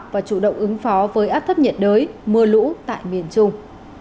và chủ động ứng phó với áp thấp nhiệt đới mưa lũ tại miền trung